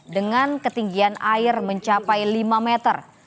dengan ketinggian air mencapai lima meter